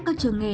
các trường nghề